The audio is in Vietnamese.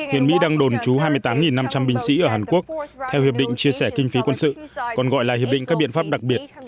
hiện mỹ đang đồn trú hai mươi tám năm trăm linh binh sĩ ở hàn quốc theo hiệp định chia sẻ kinh phí quân sự còn gọi là hiệp định các biện pháp đặc biệt